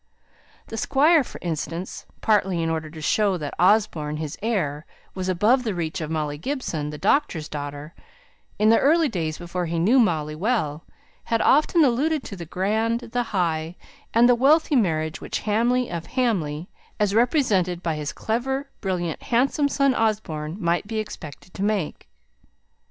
The Squire, for instance, partly in order to show that Osborne, his heir, was above the reach of Molly Gibson, the doctor's daughter, in the early days before he knew Molly well, had often alluded to the grand, the high, and the wealthy marriage which Hamley of Hamley, as represented by his clever, brilliant, handsome son Osborne, might be expected to make.